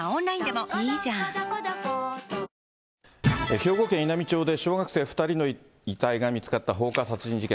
兵庫県稲美町で小学生２人の遺体が見つかった放火殺人事件。